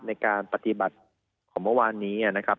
ในการปฏิบัติของเมื่อวานนี้นะครับ